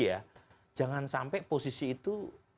ya jangan sampai posisi itu